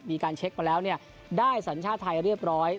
มีการเช็คมาแล้วได้สัญชาติไทยเรียบร้อย